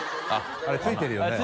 あれ付いてるよね？